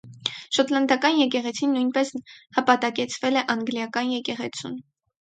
Շոտլանդական եկեղեցին նույնպես հպատակեցվել է անգլիական եկեղեցուն։